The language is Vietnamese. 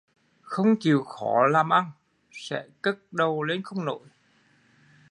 Không chịu khó làm ăn sẽ cất đầu lên không nổi